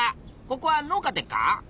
ここは農家でっか？